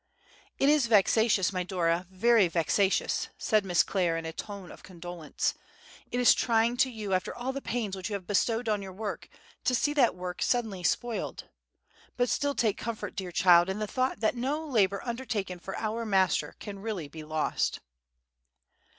"IT is vexatious, my Dora, very vexatious," said Miss Clare, in a tone of condolence; "it is trying to you, after all the pains which you have bestowed on your work, to see that work suddenly spoiled. But still take comfort, dear child, in the thought that no labor undertaken for our Master can really be lost."